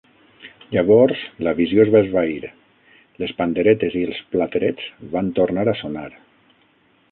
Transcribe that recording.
Llavors la visió es va esvair, les panderetes i els platerets van tornar a sonar.